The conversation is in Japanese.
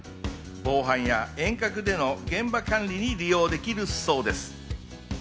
防犯や遠隔での現場管理に利用できるそうです。